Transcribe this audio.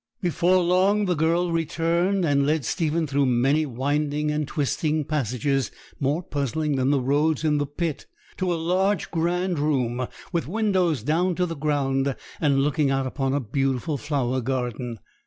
Before long the girl returned, and led Stephen through many winding and twisting passages, more puzzling than the roads in the pit, to a large, grand room, with windows down to the ground, and looking out upon a beautiful flower garden.